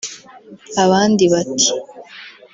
abandi bati